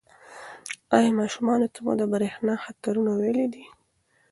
ایا ماشومانو ته مو د برېښنا د خطرونو ویلي دي؟